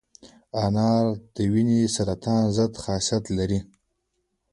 انار د وینې سرطان ضد خاصیت لري.